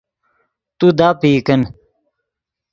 تو داپئی کن